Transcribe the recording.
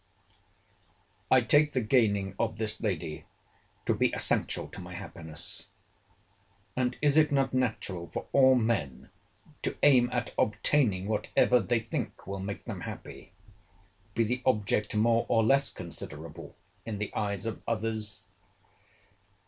I take the gaining of this lady to be essential to my happiness: and is it not natural for all men to aim at obtaining whatever they think will make them happy, be the object more or less considerable in the eyes of others?